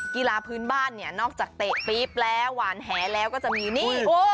กีฬาพื้นบ้านเนี่ยนอกจากเตะปี๊บแล้วหวานแหแล้วก็จะมีนี่